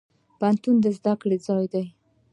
پوهنتون د زده کړي ځای دی.